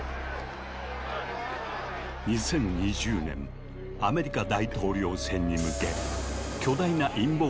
２０２０年アメリカ大統領選に向け巨大な陰謀論を訴え